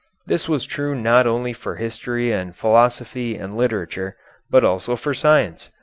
This was true not only for history and philosophy and literature, but also for science.